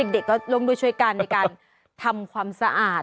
เด็กก็ลงดูช่วยกันในการทำความสะอาด